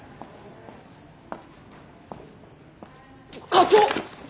課長！